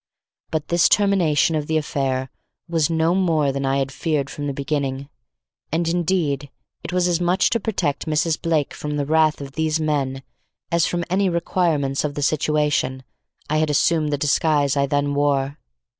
But this termination of the affair was no more than I had feared from the beginning; and indeed it was as much to protect Mrs. Blake from the wrath of these men, as from any requirements of the situation I had assumed the disguise I then wore.